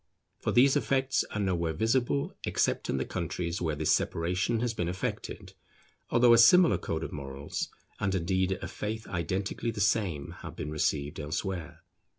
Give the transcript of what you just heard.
For these effects are nowhere visible except in the countries where this separation has been effected, although a similar code of morals and indeed a faith identically the same have been received elsewhere.